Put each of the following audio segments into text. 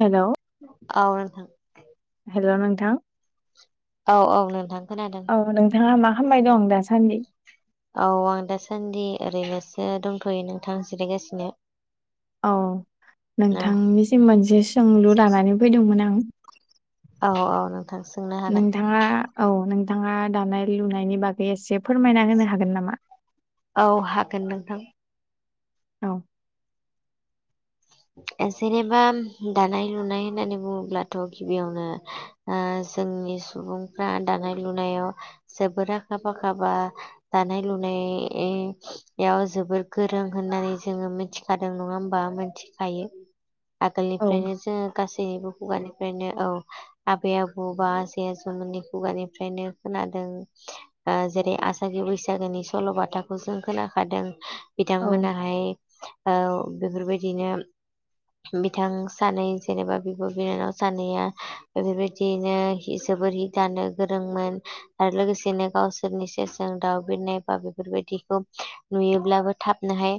Hello औ नोंथां hello नोंथां औ औ नोंथां खोनादों औ नोंथाङा मा खालामबाय दं दासान्दि? औ आं दासान्दि ओरैनोसो दंथ'यो नोंथां जिरायगासिनो औ औ नोंथांनिसिम मोनसे सोंलु लानानै फैदोंमोन आं औ औ - थां सोंना नोंथाङा औ नोंथाङा दानाय लुनायनि बागै एसे फोरमायना होनो हागोन नामा? औ हागोन नोंथां। औ जेनेबा दानाय लुनाय होननानै बुङोब्लाथ' गिबियावनो ओ जोंनि सुबुंफ्रा दानाय लुनायाव जोबोद आखा फाखा बा दाानाय लनाय ऐ याव जोबोद गोरों होननानै जोङो मिथिखादों नङा होमबा मिथि खायो औ आगोलनिफ्रायनो जोङो गासैबो खुगानिफ्रायनो औ आबै आबौ बा जे जमोननि खुगानिफ्रायनो खोनादों जेरै आसागि बैसागोनि सल'बाथाखौ जों खोनाखादों औ बिथांमोनाहाय बेफोरबायदिनो [inaudible] बिथां सानै जेनेबा बिब' बिनानाव सानैया बेफोरबायदियैनो हि जोबोर हि दानो गोरोंमोन आरो लोगोसेनो गावसोरनि सेरजों दाउ बिनाय बा बेफोरबायदिखौ नुयोब्लाबो थाबनोहाय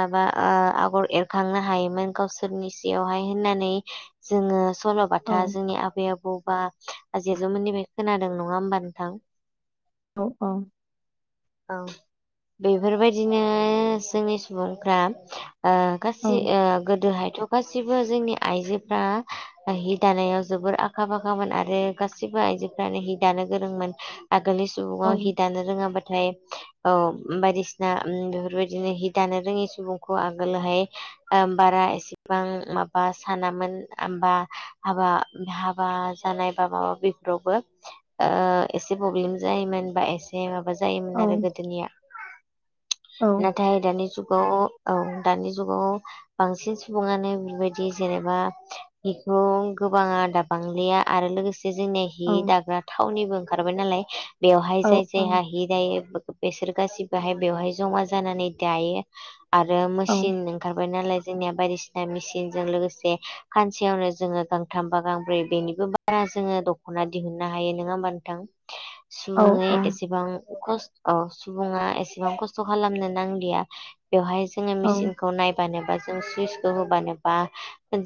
माबा ओ आगर एरखांनो हायो गावसोरनि सियावहाय होननानै जोङो औ सल'बाथा जोंनि आबै आबौ बा आजै आजौ 'मोननिफाय खोनादों नङा होमबा नोंथां? औ औ औ बेफोरबायदिनो जोंनि सुबुंफ्रा ओ औ गासै ओ गोदोहायथ' गासिबो जोंनि आइजोफ्रा हि दानायाव जोबोर आखा फाखामोन आरो गासिबो आइजोफ्रानो हि दानो गोरोंमोन आगोलनि न'आव औ हि दानो रोङाबाथाय औ बायदिसिना ओम बेफोरबायदिनो हि दानो रोङि सुबुंखौ आगोलोहाय बारा एसेबां माबा सानामोन ओमबा हाबा हाबा जानायबा माबा बेफोरावबो एसे प्रब्लेम जायोमोन बा एसे ए माबा जायोमोन औ आरो गोदोनिया औ नाथाय दानि जुगाव औ दानि जुगाव बांसिन सुबुङानो बेबायदि जेनेबा बेखौ गोबाङा दा बांलिया आरो लोगोसे जोंनि हि दाग्रा थावनिबो ओंखारबाय नालाय बेवहाय औ जाय जायहा हि यो बेसोर गासिबोहाय बेवहाय जमा जानानै दायो आरो औ मोसिन ओखारबाय नालाय जोंनिया बायदिसिना मेसिनजों लोगोसे खानसेयावनो जोङो गांथामबा गांब्रै बेनिबो बा रा जोङो दख'ना दिहुननो हायो नङा होमबा नोंथां? [inaudible] सुबुंङै औ एसेबां खस्थ' औ सुबुङा एसेबां खस्थ' खालामनो नांलिया बेवहाय जोङो मेचिन खौ नायबानोबा जों सुइसखौ होबानोबा ओ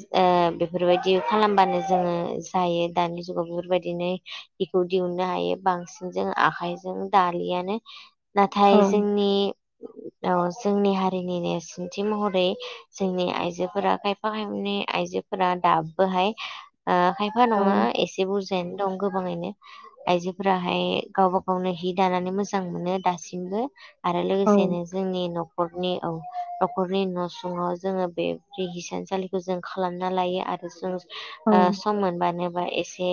बेफोरबायदि खालामबानो जोङो जायो दानि जुगाव बेफोरबायदिनो बेखौ दिहुननो हायो बांसिन जों आखायजों दालियानो औ नाथाय जोंनि औ जोंनि हारिनि नि सिनथि महरै जोंनि आइजोफोरा खायफा [unintelligible] आइजोफोरा दाबोहाय ओ खायफा औ नङा एसे बुरजायैनो दं गोबाङैनो आइजोफोराहाय गावबा गावनो हि दानानै मोजां मोनो दासिमबो आरो औ औ लोगोसेनो जोंनि न'खरनि औ न'खरनि न' सुं जोङो बे हिसानसालिखौ जों खालामना लायो आरो जों ओ सम मोनबानोबा एसे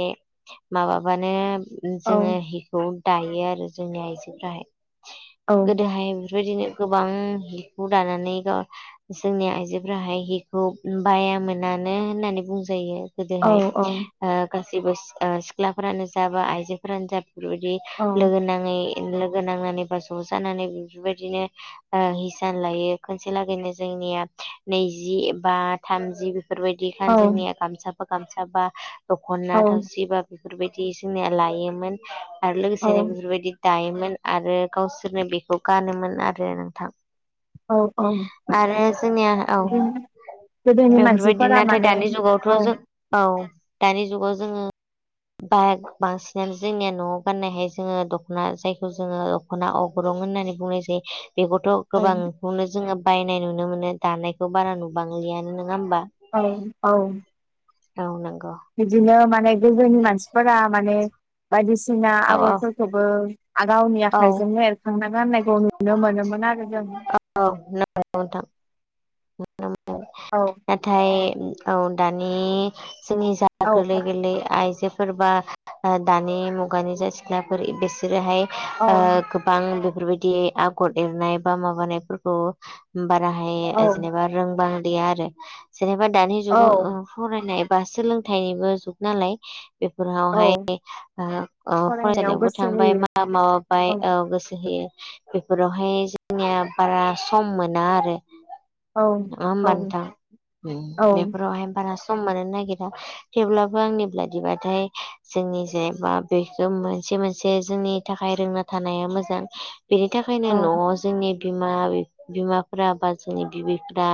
माबाबानो जोङो खौ दायो आरो जोंनि आइजोफोराहाय गोदोहाय बेफोरबायदिनो गोबां बिखौ दानानै ग जोंनि आइजो [unintelligible] हिखौ बायामोनानो होननानै बुंजायो गोदोहाय। ओ गासैबो ओ सिख्लाफोरानो जा बा आइजोफोरानो जा बेफोरबायदि लोगो नां नै लोगो नांनानै बा ज' जानानै बेफोरबायदिनो ओ हिसान लायो खनसे लागैनो जोंनिया नैजि बा थामजि बेफोरबायदि [unintelligible] जोंनिया गामसा फा गामसा बा दख'ना औ थावसि बा बेफोरबायदि जोंनिया लायोमोन आरो औ लोगोसेनो बेफोरबायदि दायोमोन आरो गावसोरनो बेखौ गानोमोन आरो नोंथां। औ औ आरो जोंनिया औ बिदिनो गोदोनि बेफोरबायदि मानसिफोरा नाथाय माने दानि जुगावथ' औ जों औ दानि जुगाव जोङो बा बांसिनानो जोंनिया न'आव गाननायहाय जोङो दख'ना जायखौ जोङो दखना अग्रं होननानै बुंनाय जायो बेखौथ' औ गोबांखौनो जोङो बायनाय नुनो मोनो दानायखौ बारा नुबांलियानो नङा होमबा। औ औ। औ नंगौ। बिदिनो माने गोदोनि मानसिफोरा माने बायदिसिना औ आगरफोरखौबो गावनि औ आखाइजोंनो एरखांना गाननायखौ नुनो मोनोमोन आरो जों औ नों [unintelligible] औ। नाथाय औ दानि जोंनि जा औ गोरलै गोरलै आइजो फोरबा ओ दानि मुगानि जाय सिख्लाफोर बिसोरोहाय औ ओ गोबां बेफोरबायदि आगर एरनाय बा माबानायफोरखौ बाराहाय औ जेनेबा रोंबां गैया आरो जेनेबा दानि जुगाव ओ औ फरायनाय बा सोलोंथाइबो जुग नालाय औ बेफोरावहाय फरायनायाव [unintelligible] गोसो थांबाय होयो मा माबाबाय औ गोसो होयो। बेफोरावहाय जोंनिया बारा सम मोना आरो। औ नङा औ होमबा नोंथां औ बेफोरावहाय बारा सम मोननो नागिरा। थेवब्लाबो आंनि बादिबाथाय जोंनि जेनबा बेखौ मोनसे मोनसे जोंनि थाखाय रोंना थानाया मोजां। बेनि थाखायनो न'आव जोंनि बिमा बिमाफोरा बा जोंनि गिबिफ्रा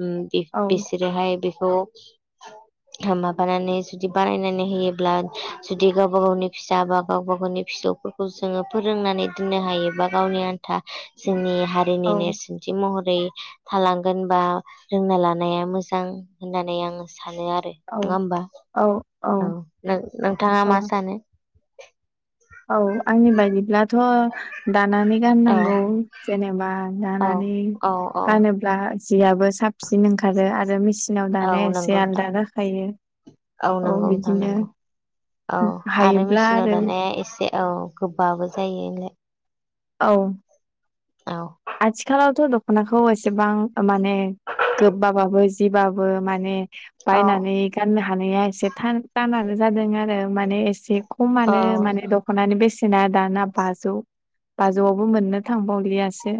[unintelligible] औ बिसोरोहाय बेखौ। [unintelligible] था माबानानै जुदि बानायनानै होयोब्ला जुदि गावबा गावनि फिसा बा गावबा गावनि फिसौखौ जोङो फोरोंनानै दोननो हायो बा गावनि आन्था जोंनि औ जोंनि नेरसोनथि महरै थालांगोन बा रोंना लानाया मोजां होननानै आं सानो आरो। नङा होमबा औ नों नोंथाङा औ मा सानो? औ आंनि बायदिब्लाथ' दानानै औ गाननांगौ। जेनेबा औ जानानै औ औ गानोब्ला जियाबबो साबसिन ओंखारो आरो मेसिन सिनाव दानाय औ नंगौ एसे नोंथां आलदा जाखायो औ नंगौ नोंथां बिदिनो नंगौ औ आरो हायोब्ला मेचिनाव आरो दानाया एसे औ गोबाबो जायोलाय औ औ आथिखालावथ' दख'नाखौ एसेबां माने गोबाबाबो जिबाबो माने बायनानै गाननो हानाया एसे दानानो जादों आरो माने एसे औ खमानो माने द खनानै बेसेना दाना बाजौ बाजौआवबो मोननो थांबावलियासो।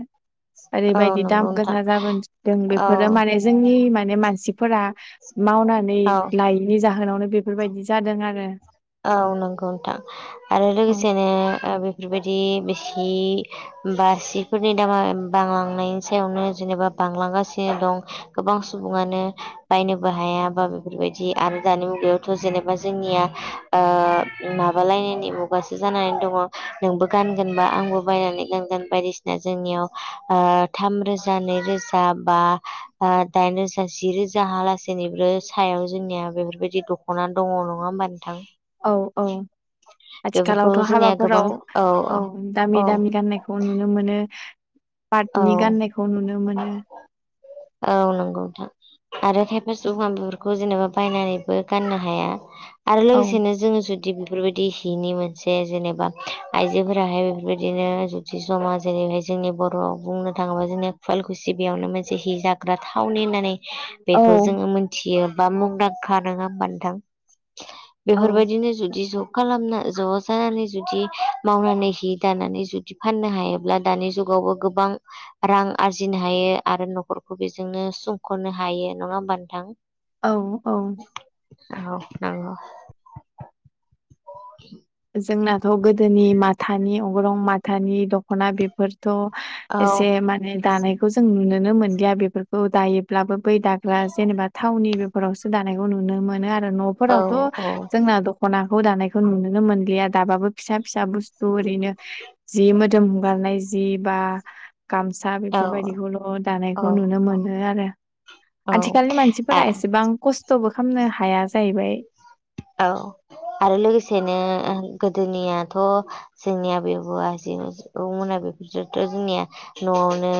औ ओरैबायदि नंगौ दाम नोंथां गोसा जाबोनदों बेफोरो औ माने जोंनि माने मानसिफोरा मावनानै औ लायो। बिनि जाहोनावनो बेफोरबायदि जादों आरो औ नंगौ नोंथां आरो औ लोगोसेनो ओ बेफोरबायदि बेसि बा सिफोरनि दामा बांलांनायनि सायावनो जेनेबा बांलांगासिनो। दं गोबां सुबुङानो बायनोबो हाया बा बेफोरबायदि आरो दानि मुगायाव थ' जेनेबा जोंनिया ओ माबालायनायनि मुगासो जानानै दङ नोंबो गानगोनबा आंबो बायनानै गानगोन बायदिसिना जोंनियाव थाम रोजा नै रोजा बा आ दाइन रोजा जि जाहालसै जनैबो सायाव जोंनिया बेफोरबायदि दख'ना दङ नङा होमबा नोंथां। औ औ बेफोरखौ आथिखालावथ' जोंनिया गोबां हाबाफोराव औ औ दामि दामि गाननायखौ खौ नुनो मोनो औ पार्टनि गाननायखौ नुनो मोनो। औ नंगौ नोंथां आरो खायफा सुबुंङा बेफोरखौ जेनेबा बायनानैबो गाननो हाया आरो औ लोगोसेनो जोंङो जुदि बेफोरबायदि हिनि मोनसे जेनेबा आइजोफोराहाय बेफोरबायदिनो जुदि जा जेरैहाय जोंनि बर' ओ बर' बुंनो थाङोबा जोंनो खुवलकुसिबियावनो मोनसे हि जाग्रा थावनि होननानै औ बेखौ जोंङो मोनथियो बा मुंदांखा नङा होमबा नोंथां औ बेफोरबायदिनो जुदि ज खालामना ज' जानानै जुदि मावनानै हि दानानै जुदि फाननो हायोब्ला दानि जुगावबो गोबां रां आरजिनो हायो आरो न'खरखौ बेजोंनो सुंख'नो हायो नङा होमबा नोंथां औ औ औ नोंगौ जोंनाथ' गोदोनि माथानि अग्रं माथानि दख'ना बे फोरथ' औ एसे माने दानाय खौ जों नुनोनो मोनलिया बेफोरखौ दायोब्लाबो बै दाग्रा जेनेबा थावनि बे फोरावसो दानायखौ नुनो मोनो आरो औ न'फोरावथ' औ जोंना दख'नाखौ दानायखौ नुनो नो मोनलिया दाबाबो फिसा फिसा बुस्थु ओरैनो जि मोदोम हुगारनाय जि बा गामसा औ बेफोरबायदिखौल' दानायखौ नुनो मोनो आरो औ आथिखालनि आ मानसिफोरा एसेबां खस्थ'बो खामनो हाया जाहैबाय‌। औ आरो लोगोसेनो गोदोनियाथ' जोंनि आबै आबौ आजै आजौ मोना बेफोरजोंथ' जोंनिया न'आवनो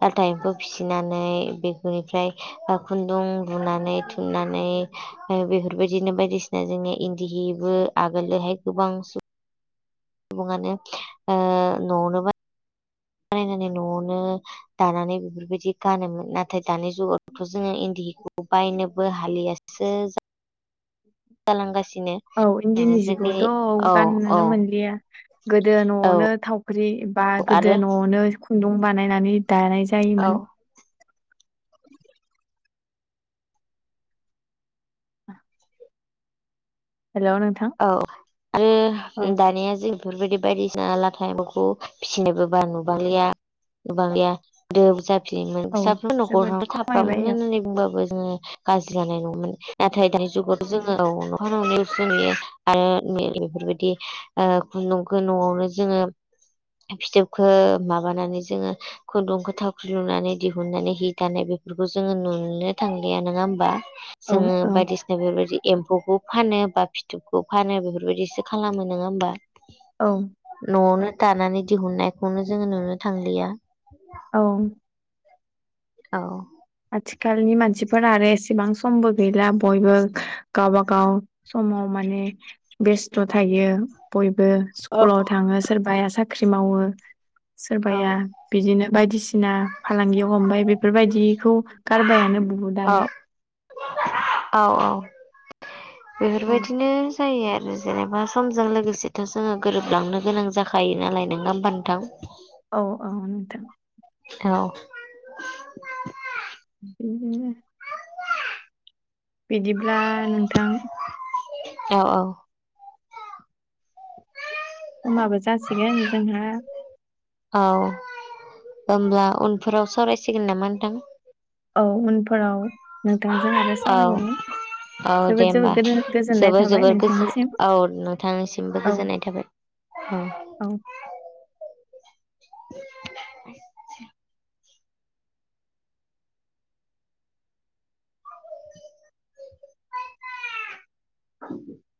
लाथा एम्फौ फिसिनानै बेफोरनिफ्राय ओ खुन्दुं लुनानै थुननानै ओ बेफोरबायदिनो बायदिसि दा जोंनि इन्दिहिबो आगोलोहाय गोबां [unintelligible] ओ न'ङावनो बा बानायनानै न'आवनो दानानै बेफोरबायदि गानोमोन नाथाय दानि जुगावथ' जोङो इन्दिहिखौ बायनोबो हालिया [unintelligible] [inaudible] औ इन्दिनि जोंनि जिखौथ' औ औ गाननोनो मोनलिया गोदो औ न'आवनो थावख्रि बा आरो गोदो न'आवनो खुन्दुं बानायनानै दानाय जा औ जायोमोन हेल' नों औ [unintelligible] दानिया जों बेफोरबायदि बायदिसिना लाथा एमफौखौ फिसिनोबो बा नुबांलिया गोबां गैया औ [unintelligible] साफ्रोम न'खर जोबोद [unintelligible] खमायबाय औ होननानै बुंबाबो [unintelligible] गाज्रि जानाय नङामोन नाथाय दानि जुगावथ' जोङो [unintelligible] आरो [unintelligible] बेफोरबायदि ओ खुन्दुंखौ न'आवनो जोङो फिथोबखो माबानानै जोङो खुन्दुंखौ थावख्रि लुनानै दिहुननानै हि दानाय बेफोरखौ जोङो नुनोनो थांलिया नोङा होमबा औ जोङो औ बायदिसिना बेफोरबायदि एम्फौखौ फानो बा फिथुबखौ फानो बेफोरबायदिसो खालामो नोङा होमबा औ न'आवनो दानानै दिहुननायखौनो जोङो नुनो थांलिया औ औ आथिखालनि मानसिफोरा आरो एसेबां समबो गैला बयबो गावबागाव समाव माने बेस्थ' थायो बयबो औ स्कुलाव थाङो सोरबाया साख्रि मावो औ सोरबाया बिदिनो बायदिसिना फालांगियाव हमबाय बेफोरबायदिखौ गारबायानो बुहुतानो [unintelligible] औ औ औ बेफोरबायदिनो जायो आरो जेनेबा समजों लोगोसेथ' जोङो गोरोबलांनो गोनां जाखायो नालाय नोङा होमबा नोंथां औ औ नोंथां औ [inaudible] बिदिब्ला नोंथां औ औ खमाबो जासिगोन जोंहा औ होमब्ला उनफोराव सावरायसिगोन नामा नोंथां औ उनफोराव नोंथांजों आरो औ सावरायबावगोन औ दे जोबोद होमबा जोबोद गोजोन- गोजोननाय जोबोर थाबाय जोबोर गोजोन नोंथांनिसिम औ नोंथांनिसिमबो औ गोजोननाय थाबाय उम औ [unintelligible] [unintelligible]